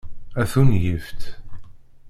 A tungift!